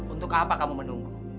untuk apa kamu menunggu